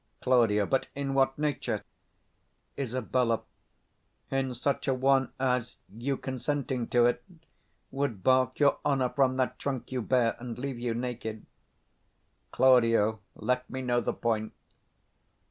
Claud. But in what nature? Isab. In such a one as, you consenting to't, Would bark your honour from that trunk you bear, And leave you naked. Claud. Let me know the point.